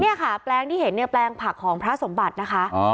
เนี่ยค่ะแปลงที่เห็นเนี่ยแปลงผักของพระสมบัตินะคะ